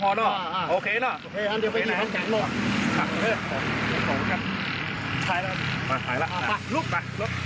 โอเคเนาะ